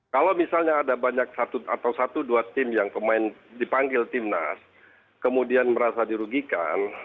kalau misalnya ada banyak satu atau satu dua tim yang kemarin dipanggil timnas kemudian merasa dirugikan